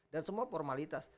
dan semua formalitas